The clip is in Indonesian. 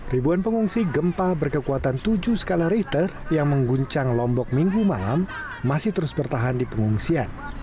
ribuan pengungsi gempa berkekuatan tujuh skala richter yang mengguncang lombok minggu malam masih terus bertahan di pengungsian